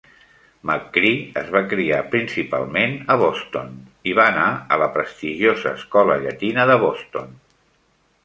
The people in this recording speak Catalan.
McCree es va criar principalment a Boston i va anar a la prestigiosa Escola Llatina de Boston.